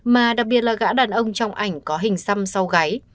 mà đặc biệt là gã đàn ông trong ảnh có hình xăm sau gáy